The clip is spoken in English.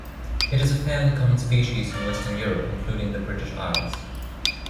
It is a fairly common species in Western Europe including the British Isles.